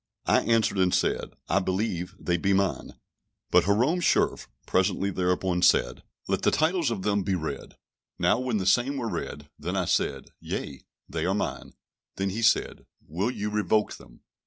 I answered and said, "I believe they be mine." But Hierome Schurfe presently thereupon said, "Let the titles of them be read." Now when the same were read, then I said, "Yea, they are mine." Then he said, "Will you revoke them?"